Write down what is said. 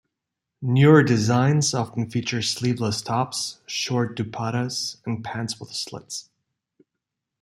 Newer designs often feature sleeveless tops, short dupattas, and pants with slits.